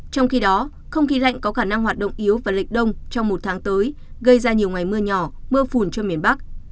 trong khi đó không khí lạnh có khả năng hoạt động yếu và lệch đông trong một tháng tới gây ra nhiều ngày mưa nhỏ mưa phùn cho miền bắc